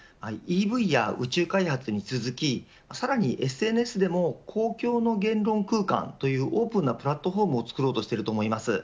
ＥＶや宇宙開発に続きさらにＳＮＳでも公共の言論空間というオープンなプラットホームを作ろうとしていると思います。